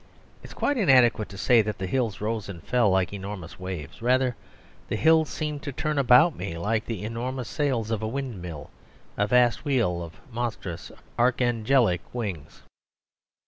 It is quite inadequate to say that the hills rose and fell like enormous waves. Rather the hills seemed to turn about me like the enormous sails of a windmill, a vast wheel of monstrous archangelic wings.